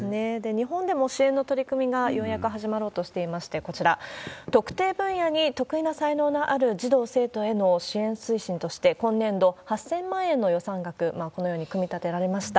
日本でも支援の取り組みがようやく始まろうとしていまして、こちら、特定分野に得意な才能のある児童・生徒への支援推進として、今年度、８０００万円の予算額、このように組み立てられました。